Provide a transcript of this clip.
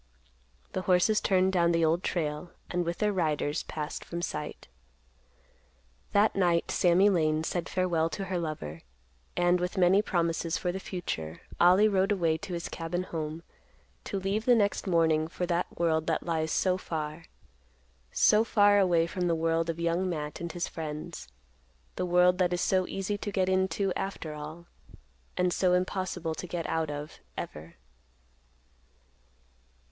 The horses turned down the Old Trail and with their riders, passed from sight. That night Sammy Lane said farewell to her lover, and, with many promises for the future, Ollie rode away to his cabin home, to leave the next morning for that world that lies so far—so far away from the world of Young Matt and his friends, the world that is so easy to get into after all, and so impossible to get out of ever.